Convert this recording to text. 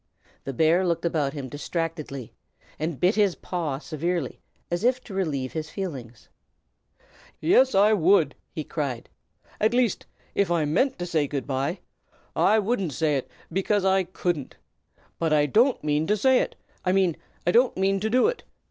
The bear looked about him distractedly, and bit his paw severely, as if to relieve his feelings. "Yes I would!" he cried. "At least, if I meant to say good by. I wouldn't say it, because I couldn't. But I don't mean to say it, I mean I don't mean to do it.